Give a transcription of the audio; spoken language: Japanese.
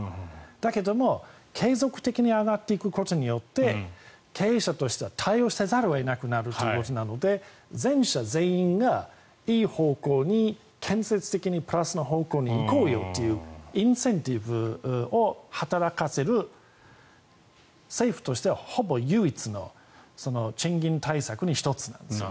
だけども継続的に上がっていくことによって経営者としては対応せざるを得なくなるということなので全員がいい方向に建設的にプラスな方向に行こうよっていうインセンティブを働かせる政府としてはほぼ唯一の賃金対策の１つです。